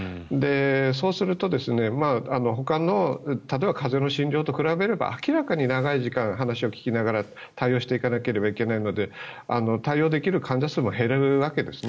そうすると、ほかの例えば風邪の診療と比べれば明らかに長い時間対応していかなければいけないので対応できる患者数は減るわけですよね。